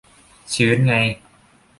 ชื้นไง